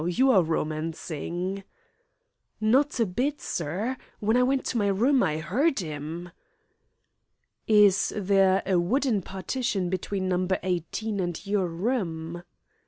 You are romancing." "Not a bit, sir. When I went to my room I er 'eard 'im." "Is there a wooden partition between No. 18 and your room?"